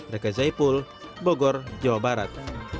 reka zaipul bogor jawa barat